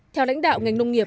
theo lãnh đạo ngành nông nghiệp